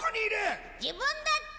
自分だって！